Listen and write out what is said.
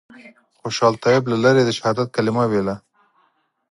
خوشحال طیب له لرې د شهادت کلمه ویله.